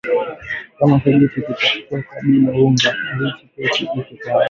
Kama kijiti kitatoka bila unga mbichi keki iko tayari